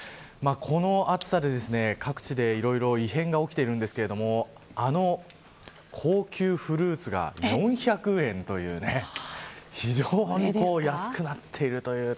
この暑さで各地でいろいろと異変が起きているんですがあの高級フルーツが４００円という非常に安くなっています。